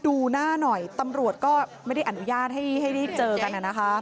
ดูหน้าหน่อยตำรวจก็ไม่ได้อนุญาตให้ได้เจอกันนะคะ